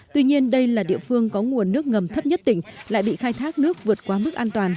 tuy nhiên đây là địa phương có nguồn nước ngầm thấp nhất tỉnh lại bị khai thác nước vượt qua mức an toàn